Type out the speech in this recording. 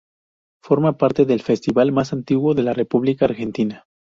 Forma parte del festival más antiguo de la República Argentina.